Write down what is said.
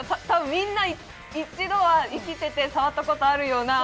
みんな一度は生きてて触ったことあるような。